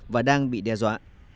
và đang bị đe dọa